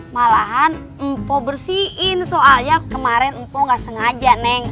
malahan mpo bersihin soalnya kemaren mpo gak sengaja neng